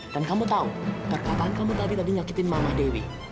dan kamu tahu perkataan kamu tadi nyakitin mama dewi